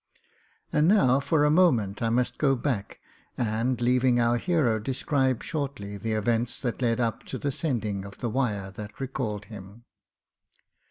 ... And now for a moment I must go back and, leaving our hero, describe shortly the events that led up to the sending of the wire that recalled him.